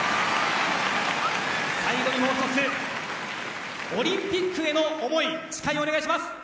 最後にもう一つオリンピックへの思い、誓いをお願いします。